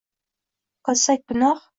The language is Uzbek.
qilsak gunoh